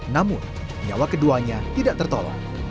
namun nyawa keduanya tidak tertolong